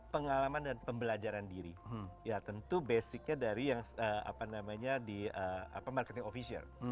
pengalaman dan pembelajaran diri ya tentu basicnya dari yang apa namanya di marketing officer